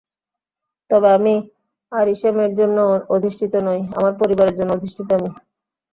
তবে আমি আরিশেমের জন্য অধিষ্ঠিত নই, আমার পরিবারের জন্য অধিষ্ঠিত আমি!